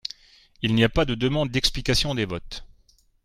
Il n’y a pas de demande d’explication de votes.